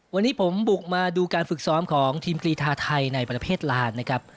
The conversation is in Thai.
วันนี้ผมบุกมาดูการฝึกซ้อมของทีมกรีธาไทยในประเทศลานนะครับ